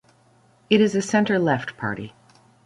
It is a centre-left party.